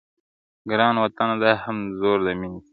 ګران وطنه دا هم زور د میني ستا دی,